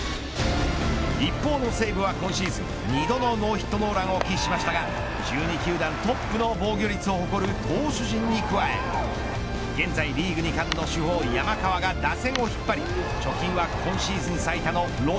一方の西武は今シーズン２度のノーヒットノーランを喫しましたが１２球団トップの防御率を誇る投手陣に加え現在リーグ２冠の主砲山川が打線を引っ張り貯金は今シーズン最多の６。